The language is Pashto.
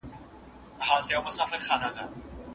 زه به په راتلونکي کي یوازي مثبت او ښه فکرونه کوم.